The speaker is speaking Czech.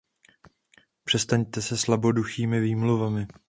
Přestaňte se slaboduchými výmluvami.